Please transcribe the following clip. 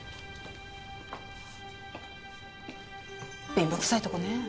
貧乏くさいとこね。